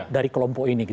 dari kelompok ini